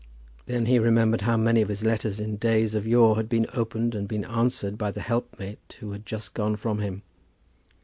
Then he remembered how many of his letters in days of yore had been opened and been answered by the helpmate who had just gone from him.